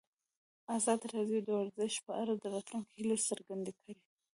ازادي راډیو د ورزش په اړه د راتلونکي هیلې څرګندې کړې.